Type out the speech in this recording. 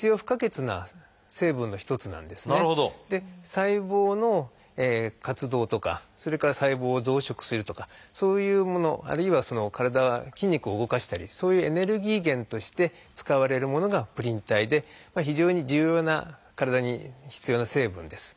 細胞の活動とかそれから細胞を増殖するとかそういうものあるいは筋肉を動かしたりそういうエネルギー源として使われるものがプリン体で非常に重要な体に必要な成分です。